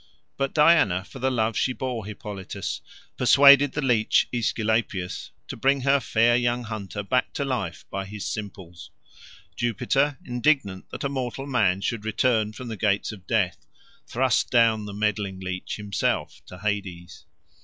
But Diana, for the love she bore Hippolytus, persuaded the leech Aesculapius to bring her fair young hunter back to life by his simples. Jupiter, indignant that a mortal man should return from the gates of death, thrust down the meddling leech himself to Hades.